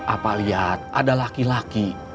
apa lihat ada laki laki